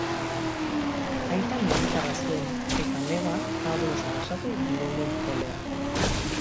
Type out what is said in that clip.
Aita militarra zuen eta neba Pablo Sarasate bibolin-jolea.